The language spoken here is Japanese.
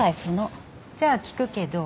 じゃあ聞くけど。